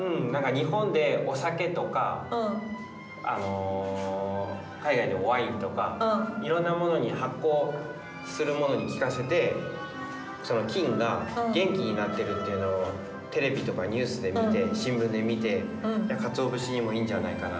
日本でお酒とか海外でもワインとかいろんなものに発酵するものに聴かせてその菌が元気になってるっていうのをテレビとかニュースで見て新聞で見て鰹節にもいいんじゃないかなと思って。